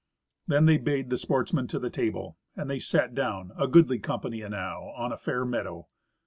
Then they bade the sportsmen to the table, and they sat down, a goodly company enow, on a fair meadow.